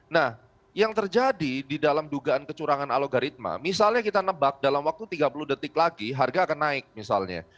nah yang terjadi di dalam dugaan kecurangan alogaritma misalnya kita nebak dalam waktu tiga puluh detik lagi harga akan naik misalnya